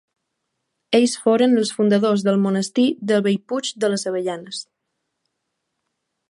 Ells foren els fundadors del monestir de Bellpuig de les Avellanes.